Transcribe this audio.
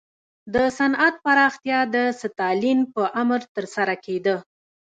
د صنعت پراختیا د ستالین په امر ترسره کېده